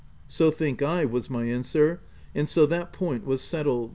u So think I," was my answer ;— and so that point was settled.